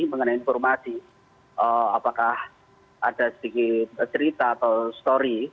mengenai informasi apakah ada sedikit cerita atau story